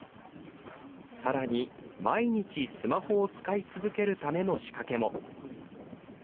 さらに、毎日スマホを使い続けるための仕掛けも。